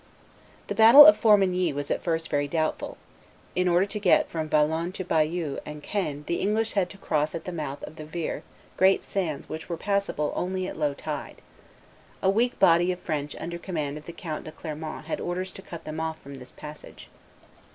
The battle of Formigny was at first very doubtful. In order to get from Valognes to Bayeux and Caen the English had to cross at the mouth of the Vire great sands which were passable only at low tide. A weak body of French under command of the Count de Clermont had orders to cut them off from this passage.